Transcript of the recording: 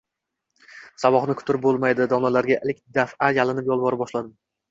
Saboqni kuttirib bo‘lmaydi. Domlalarga ilk daf’a yalinib-yolvora boshladim: